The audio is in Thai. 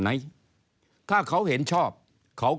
ก็จะมาจับทำเป็นพรบงบประมาณ